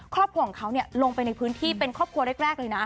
ครอบครัวของเขาลงไปในพื้นที่เป็นครอบครัวแรกเลยนะ